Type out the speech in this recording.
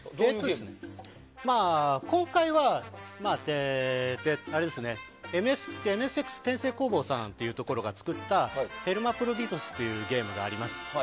今回はＭＳＸ転生工房が作った「ヘルマプロディトス」というゲームがあります。